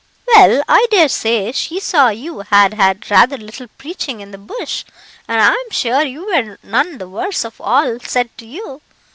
"Well, I dare say she saw you had had rather little preaching in the bush, and I am sure you were none the worse of all said to you.